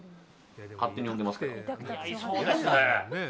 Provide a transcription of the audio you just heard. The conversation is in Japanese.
勝手に呼んでますけど。